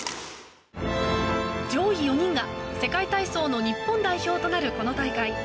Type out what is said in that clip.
上位４人が世界体操の日本代表となるこの大会。